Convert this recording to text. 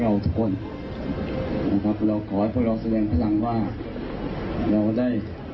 เราก็ได้ร่วมหลุมใจในทั้งงานนี้